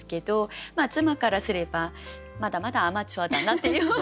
妻からすればまだまだアマチュアだなっていう。